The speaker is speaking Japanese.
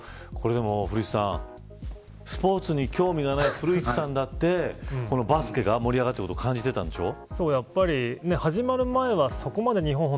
古市さんスポーツに興味がない古市さんだってバスケが盛り上がっていることを感じてたんでしょう。